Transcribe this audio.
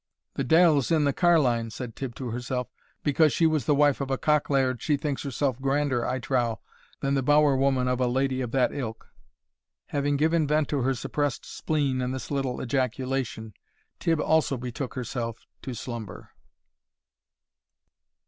"The deil's in the carline," said Tibb to herself, "because she was the wife of a cock laird, she thinks herself grander, I trow, than the bower woman of a lady of that ilk!" Having given vent to her suppressed spleen in this little ejaculation, Tibb also betook herself to slumber.